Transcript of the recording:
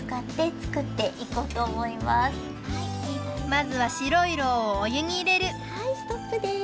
まずはしろいろうをおゆにいれるはいストップです。